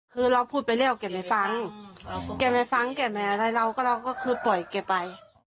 คือเราพูดไปเรียกว่าเก็บไม่ฟังเก็บไม่ฟังเก็บไม่อะไรเราก็เราก็คือปล่อยเก็บไป